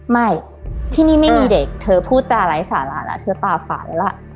ไม่ที่นี่ไม่มีเด็กเธอพูดจาไร้สาระแล้วเธอตาฝันล่ะ